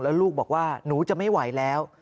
แล้วลูกบอกว่าหนูจะไม่ไหวแล้ว